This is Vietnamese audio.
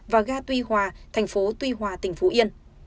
và ga tuy hòa thành phố tuy hòa tỉnh phú yên